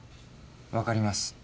わかります。